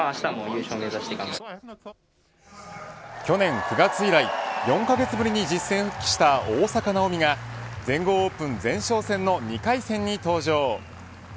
去年９月以来４カ月ぶりに実戦復帰した大坂なおみが全豪オープン前哨戦の２回戦に登場。